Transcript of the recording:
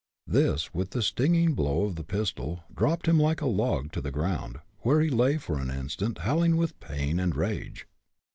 This, with the stinging blow of the pistol, dropped him like a log to the ground, where he lay for an instant, howling with pain and rage.